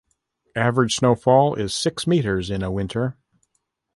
Average snowfall is six meters in a winter.